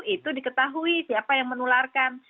itu diketahui siapa yang menularkan